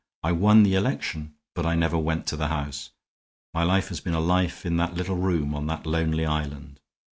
I won the election, but I never went to the House. My life has been a life in that little room on that lonely island.